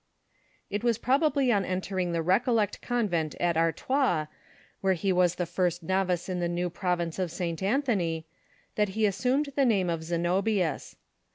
It was probably on entering tlie Recollect convent in Artois, where he was the first novice in the new province of St Anthony, that he assumed the name of Zenobius.